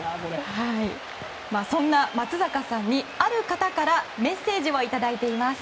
そんな松坂さんにある方からメッセージをいただいています。